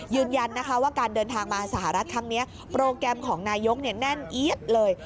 ยืนยันนะคะว่าการเดินทางมาสหรัฐครั้งนี้โปรแกรมของนายกแน่นเอี๊ยดเลย